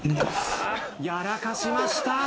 やらかしました。